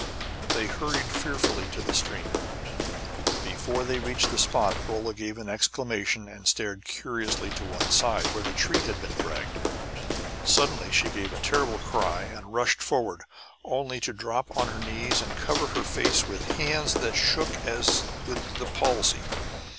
They hurried fearfully to the stream. Before they reached the spot Rolla gave an exclamation and stared curiously to one side, where the tree had been dragged. Suddenly she gave a terrible cry and rushed forward, only to drop on her knees and cover her face with hands that shook as with the palsy.